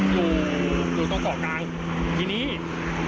อยู่กรุงต้องกร่องกลาง